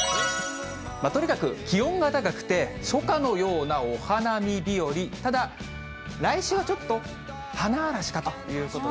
とにかく気温が高くて、初夏のようなお花見日和、ただ、来週はちょっと花嵐かということで。